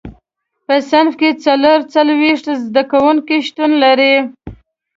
په صنف کې څلور څلوېښت زده کوونکي شتون لري.